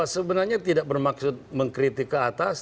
sebenarnya tidak bermaksud mengkritik ke atas